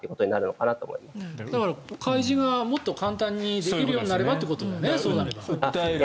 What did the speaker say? だから開示がもっと簡単にできるようになればということだよね。